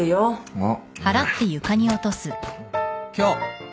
うん。